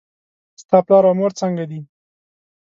ستا پلار او مور څنګه دي؟